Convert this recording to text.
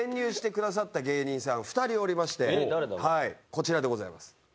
こちらでございます。